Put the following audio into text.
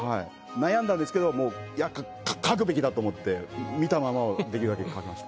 悩んだんですけど。と思って見たままをできるだけ描きました。